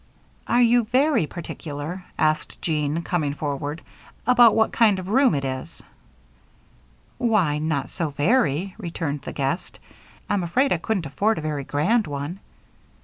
"Are you very particular," asked Jean, coming forward, "about what kind of room it is?" "Why, not so very," returned the guest. "I'm afraid I couldn't afford a very grand one."